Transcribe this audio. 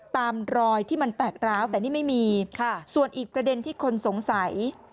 ตามรอยที่มันแตกร้าวแต่นี่ไม่มีส่วนอีกประเด็นที่คนสงสัย